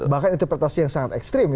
bahkan interpretasi yang sangat ekstrim